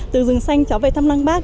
từ rừng xanh chó về thăm lăng bác